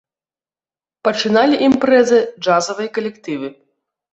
Пачыналі імпрэзы джазавыя калектывы.